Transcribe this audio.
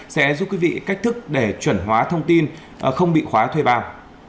sẽ giúp quý vị cách thức để chuẩn hóa thông tin không bị khóa thuê bao